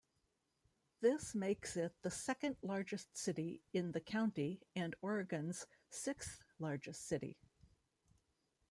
This makes it the second-largest city in the county and Oregon's sixth-largest city.